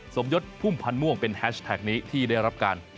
สมยศพุ่มพันธ์ม่วงเป็นแฮชแท็กนี้ที่ได้รับการ